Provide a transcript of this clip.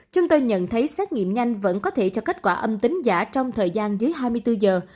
chúng tôi nhận thấy xét nghiệm nhanh vẫn có thể cho kết quả âm tính giả trong thời gian dưới hai mươi bốn giờ